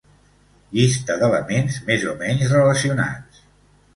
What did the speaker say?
Llista d'elements més o menys relacionats.